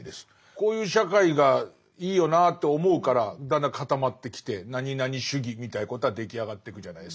こういう社会がいいよなって思うからだんだん固まってきて何々主義みたいなことは出来上がってくじゃないですか。